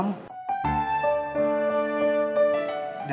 kamu bercanda ya